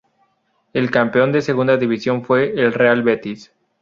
El campeón de Segunda División fue el Real Betis.